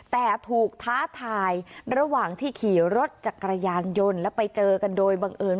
แต่ถูกท้าทายระหว่างที่ขี่รถจักรยานยนต์แล้วไปเจอกันโดยบังเอิญ